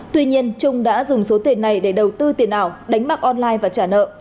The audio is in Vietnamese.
tuy nhiên trung đã dùng số tiền này để đầu tư tiền ảo đánh bạc online và trả nợ